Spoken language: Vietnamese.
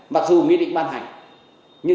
mặc dù nghị định ban hành